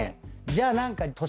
じゃあ何か。